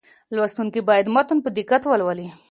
لوستونکي باید متن په دقت ولولي.